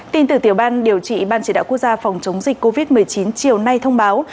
tin từ tiểu ban điều trị ban chỉ đạo quốc gia phòng chống dịch covid một mươi chín chiều nay thông báo